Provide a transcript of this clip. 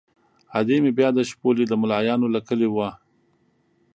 ادې مې بیا د شپولې د ملایانو له کلي وه.